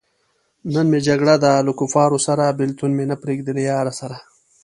نن مې جګړه ده له کفاره سره- بېلتون مې نه پریېږدی له یاره سره